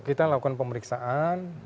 kita lakukan pemeriksaan